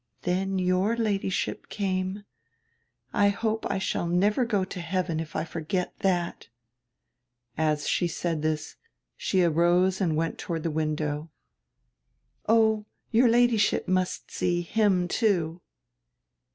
Then your Ladyship came. I hope I shall never go to heaven if I forget diat" As she said this she arose and went toward die window. "Oh, your Ladyship must see him too."